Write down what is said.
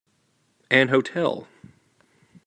An hotel